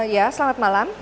ya selamat malam